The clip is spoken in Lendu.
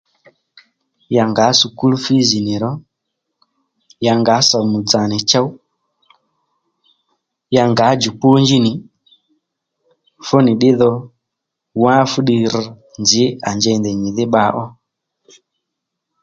Ya ngǎ skul fiz nì ro ya ngǎ somù dzà nì chow ya ngǎ juponji nì fú nì ddí dho wá fuddiy rr nzǐ à njey ndèy nyìdhí bba ó